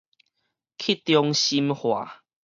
去中心化